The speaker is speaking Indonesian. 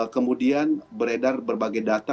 kemudian beredar berbagai data